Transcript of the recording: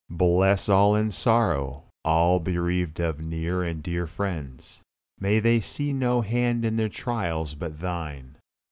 Bless all in sorrow, all bereaved of near and dear friends; may they see no hand in their trials but Thine.